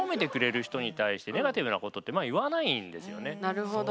なるほど。